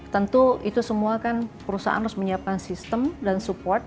tentu itu semua kan perusahaan harus menyiapkan sistem dan support